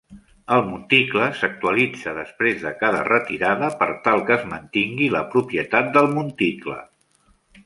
El monticle s'actualitza després de cada retirada per tal que es mantingui la propietat del monticle.